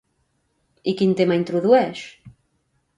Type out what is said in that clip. I quin tema introdueix?